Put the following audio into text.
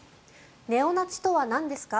ネオナチとはなんですか？